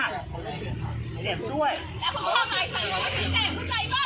หรือเก็บเปล่า